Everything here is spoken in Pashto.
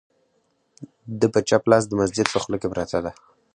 د په چپ لاس د مسجد په خوله کې پرته ده،